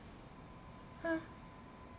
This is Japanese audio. うん。